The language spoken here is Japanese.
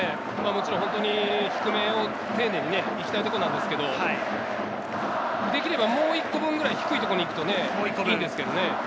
低めを丁寧に行きたいところなんですけれど、できればもう一個分ぐらい低いところに行くといいんですけれどね。